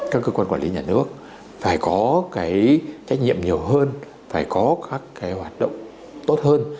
các cơ quan quản lý nhà nước phải có cái trách nhiệm nhiều hơn phải có các cái hoạt động tốt hơn